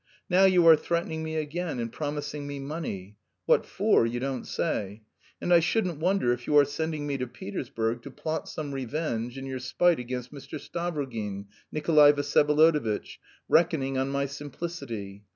Now you are threatening me again and promising me money what for, you don't say. And I shouldn't wonder if you are sending me to Petersburg to plot some revenge in your spite against Mr. Stavrogin, Nikolay Vsyevolodovitch, reckoning on my simplicity.